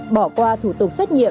bỏ qua thủ tục xét nghiệm